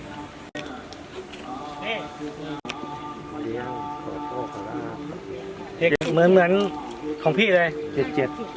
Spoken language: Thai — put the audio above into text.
โอเลี่ยงขอโทษขอรับเหมือนเหมือนของพี่เลยเจ็ดเจ็ด